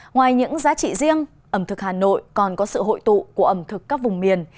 ngoài những giá trị riêng ẩm thực hà nội còn có sự hội tụ của ẩm thực các vùng miền